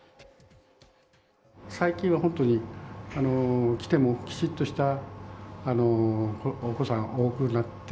最近は本当に来ても、きちっとしたお子さん多くなって。